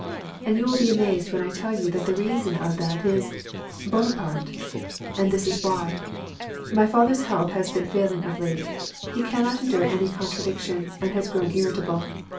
And you will be amazed when I tell you that the reason of that is — Buonaparte! And this is why: my father's health has been failing of late; he cannot endure any contradiction, and has grown irritable.